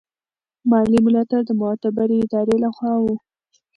مالي ملاتړ د معتبرې ادارې له خوا و.